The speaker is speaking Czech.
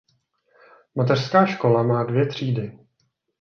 Mateřská škola má dvě třídy.